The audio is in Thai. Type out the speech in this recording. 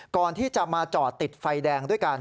ก่อนที่จะมาจอดติดไฟแดงด้วยกัน